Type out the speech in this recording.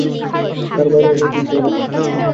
তার বাইরে এদের কোনো জগৎ নেই।